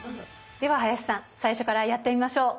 では林さん最初からやってみましょう！